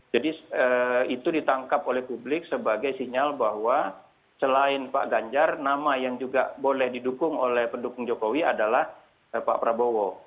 jadi itu ditangkap oleh publik sebagai sinyal bahwa selain pak ganjar nama yang juga boleh didukung oleh pendukung jokowi adalah pak prabowo